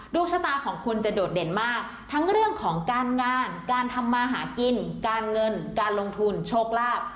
ดวงชะตาของคุณจะโดดเด่นมากทั้งเรื่องของการงานการทำมาหากินการเงินการลงทุนโชคลาภ